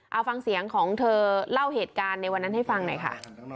เอาฟังเสียงของเธอเล่าเหตุการณ์ในวันนั้นให้ฟังหน่อยค่ะ